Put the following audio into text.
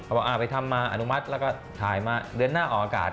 บอกไปทำมาอนุมัติแล้วก็ถ่ายมาเดือนหน้าออกอากาศ